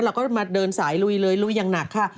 เราก็มาเดินสายลุยเลยลุยอย่างหนักค่ะ